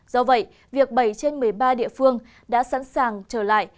do vậy việc bảy trên một mươi ba địa phương đã sẵn sàng trở lại